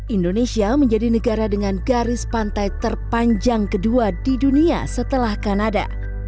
indonesia menjadi negara dengan garis pantai terpanjang kedua di dunia setelah kanada